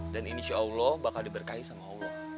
dan insya allah bakal diberkahi sama allah